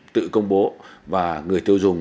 tự công bố và người tiêu dùng